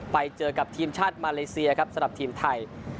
ไปเจอกับทีมชาติมาเลเซียครับสำหรับทีมไทย